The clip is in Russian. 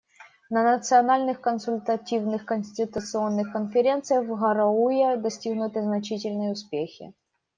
На национальных консультативных конституционных конференциях в Гароуэ достигнуты значительные успехи.